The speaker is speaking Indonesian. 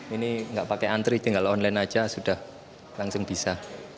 ini nggak pakai antri tinggal online aja sudah langsung bisa